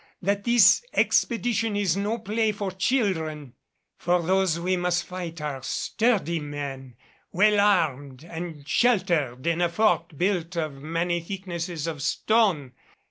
that this expedition is no play for children; for those we must fight are sturdy men, well armed and sheltered in a fort built of many thicknesses of stone.